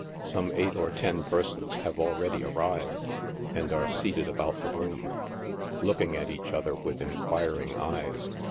Some eight or ten persons have already arrived, and are seated about the room, looking at each other with inquiring eyes.